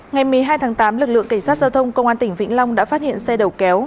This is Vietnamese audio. ngày một mươi hai tháng tám lực lượng cảnh sát giao thông công an tỉnh vĩnh long đã phát hiện xe đầu kéo